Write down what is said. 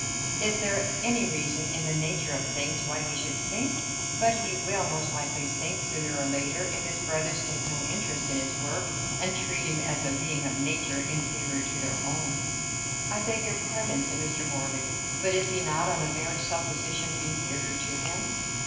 Is there any reason in the nature of things why he should sink? But he will most likely sink, sooner or later, if his brothers take no interest in his work, and treat him as a being of nature inferior to their own." "I beg your pardon," said Mr. Morley, "but is he not on the very supposition inferior to them?"